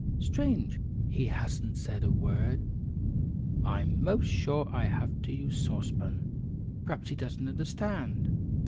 "Strange, he hasn't said a word. I'm 'most sure I have to use Sauce Pan. Perhaps he doesn't understand.